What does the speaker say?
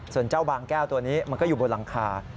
ส่วนเจ้าบางแก้วตัวนี้มันก็อยู่บนหลังคา